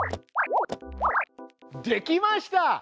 できました！